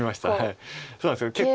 そうなんです結構。